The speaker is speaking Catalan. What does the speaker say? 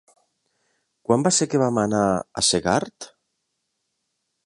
Quan va ser que vam anar a Segart?